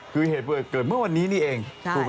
เกิดเมื่อวันนี้นี่เอง